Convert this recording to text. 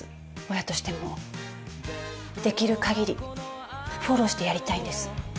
親としてもできる限りフォローしてやりたいんです。